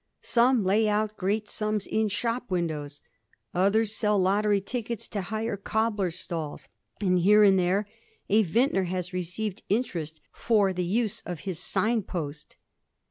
Some lay out great sums in shop windows, others sell lottery tickets to hire cobblers' stalls, and here and there a vintner has received earnest for the use of his sign post.